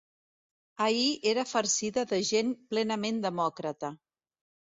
Ahir era farcida de gent plenament demòcrata.